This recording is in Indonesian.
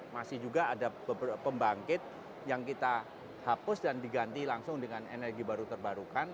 masih juga ada beberapa pembangkit yang kita hapus dan diganti langsung dengan energi baru terbarukan